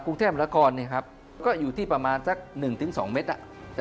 กรุงเทพบริกรกรเนี่ยครับก็อยู่ที่ประมาณสัก๑๒เมตร